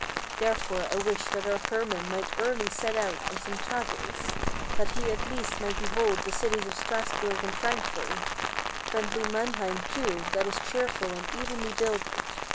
Therefore I wished that our Hermann might early set out on some travels; That he at least might behold the cities of Strasburg and Frankfort, Friendly Mannheim, too, that is cheerful and evenly builded.